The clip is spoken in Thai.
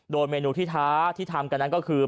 โดยเมนูที่ท้าที่ทำกันนั้นก็คือ